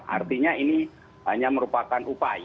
artinya ini hanya merupakan